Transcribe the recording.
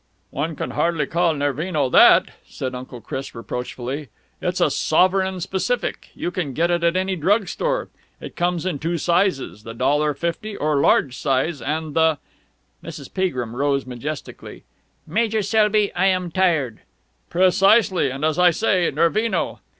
"One can hardly call Nervino that," said Uncle Chris reproachfully. "It is a sovereign specific. You can get it at any drug store. It comes in two sizes, the dollar fifty or large size, and the...." Mrs. Peagrim rose majestically. "Major Selby, I am tired...." "Precisely. And, as I say, Nervino...."